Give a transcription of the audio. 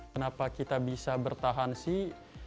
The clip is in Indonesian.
kenapa kita bisa bertahan sih